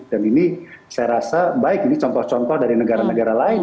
dan ini saya rasa baik ini contoh contoh dari negara negara lain